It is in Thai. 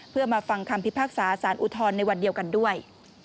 เพื่อมาฟังคำพิพากษาสารอุทธรณ์ในวันเดียวกันด้วย